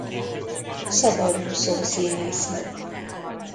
Szabadúszó színésznő.